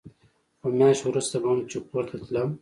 خو مياشت وروسته به هم چې کور ته تلم.